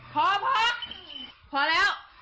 พอพอพอแล้วพอ